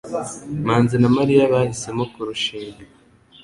manzi na Mariya bahisemo kurushinga